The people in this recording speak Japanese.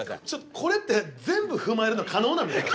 これって全部踏まえるの可能なんですか？